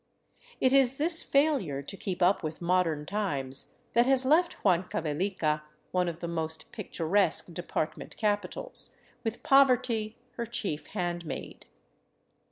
It is this failure to keep up with modern times that has left Huancavelica one of the most " picturesque " department capitals, with poverty her chief handmaid.